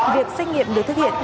việc xét nghiệm được thực hiện